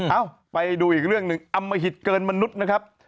เอ้าไปดูอีกเรื่องหนึ่งอมหิตเกินมนุษย์นะครับ